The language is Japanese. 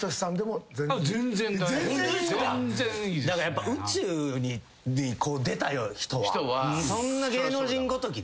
やっぱ宇宙に出た人はそんな芸能人ごときで。